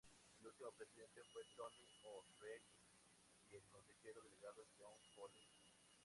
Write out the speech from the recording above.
El último presidente fue, Tony O'Reilly, y el consejero delegado, John Foley.